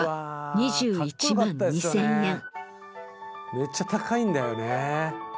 めっちゃ高いんだよね。